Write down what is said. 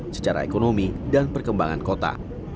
secara ekonomi dan perkembangan kota